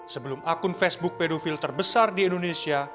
sebelum akun facebook pedofil terbesar di indonesia